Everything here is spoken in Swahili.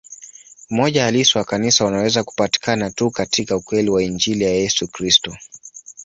Umoja halisi wa Kanisa unaweza kupatikana tu katika ukweli wa Injili ya Yesu Kristo.